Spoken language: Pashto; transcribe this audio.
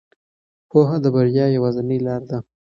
پوهه د بریا یوازینۍ لار ده.